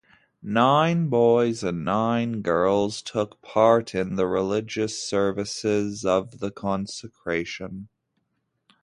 Nine boys and nine girls took part in the religious services of the consecration.